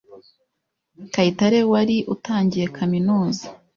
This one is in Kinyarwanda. Kayitare wari utangiye kaminuza